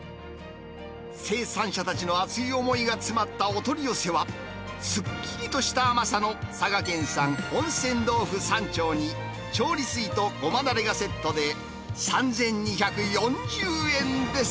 生産者たちの熱い思いが詰まったお取り寄せは、すっきりとした甘さの佐賀県産温泉豆腐３丁に調理水とごまだれがセットで３２４０円です。